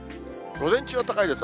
午前中は高いです。